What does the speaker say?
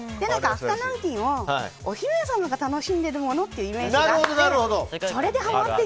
アフタヌーンティーもお姫様が楽しんでいるものというイメージがあって。